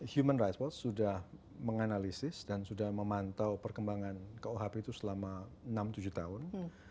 human rights world sudah menganalisis dan sudah memantau perkembangan kuhp itu selama enam tujuh tahun